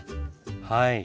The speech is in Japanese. はい。